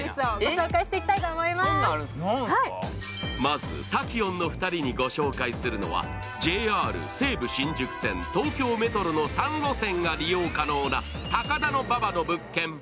まず滝音の２人にご紹介するのはＪＲ西武新宿線東京メトロの３路線が利用可能な高田馬場の物件。